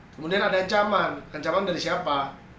kemudian ada ancaman ancaman dari siapa